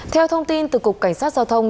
theo thông tin từ cục cảnh sát giao thông